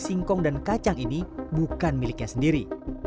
singkong dan kacang ini bukan miliknya sendiri